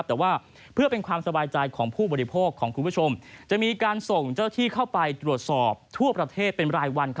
แต่ว่าเพื่อเป็นความสบายใจของผู้บริโภคของคุณผู้ชมจะมีการส่งเจ้าที่เข้าไปตรวจสอบทั่วประเทศเป็นรายวัน